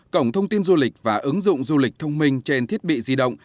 cổng thông tin du lịch và ứng dụng du lịch thông minh trên thiết bị di động